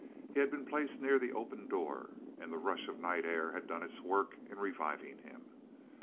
He had been placed near the open door, and the rush of night air had done its work in reviving him.